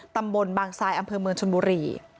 ตำบลบางทรายอำเภอเมืองชนบุรี